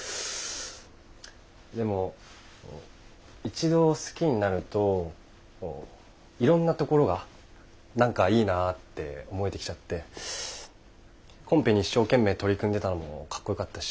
でも一度好きになるといろんなところが何かいいなって思えてきちゃってコンペに一生懸命取り組んでたのもかっこよかったし。